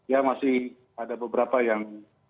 ya masih ada beberapa yang